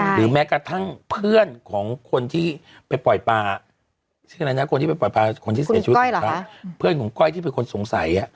หรือแม้กระทั่งเพื่อนของคนที่ไปปล่อยปลาเพื่อนของก้อยที่เป็นคนสงสัย